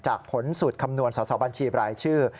ผลสูตรคำนวณสอสอบัญชีบรายชื่อ